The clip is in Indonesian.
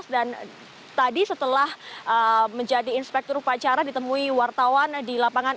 dan tadi setelah menjadi inspektur upacara ditemui wartawan di lapangan